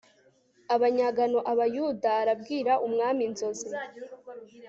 abanyagano Abayuda arabwira umwami inzozi